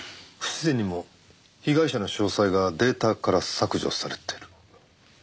不自然にも被害者の詳細がデータから削除されてる。